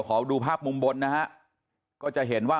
ขอดูภาพมุมบนนะฮะ